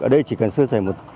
ở đây chỉ cần xưa xảy một